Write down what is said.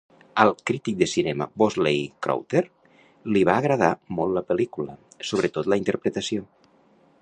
Al crític de cinema Bosley Crowther li va agradar molt la pel·lícula, sobretot la interpretació.